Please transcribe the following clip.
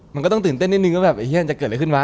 มันก็ต้องตื่นเต้นนิดนึงว่าแบบจะเกิดอะไรขึ้นวะ